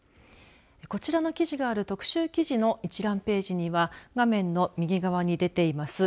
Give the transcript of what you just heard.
こちらの記事がある特集記事の一覧ページには画面の右側に出ています